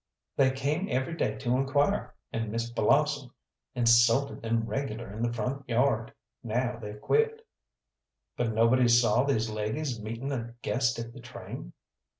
"They came every day to inquire, and Miss Blossom insulted them regular in the front yard. Now they've quit." "But nobody saw these ladies meeting a guest at the train."